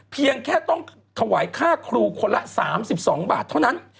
เพียงแค่ต้องถวายค่าครูคนละ๓๒บาทเท่านั้น